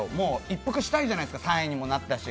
一服したいじゃないですか３位になったし。